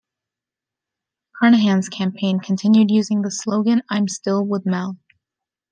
Carnahan's campaign continued using the slogan I'm Still With Mel.